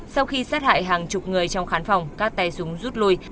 sau khi sát hại hàng chục người trong khán phòng các tay súng rút lui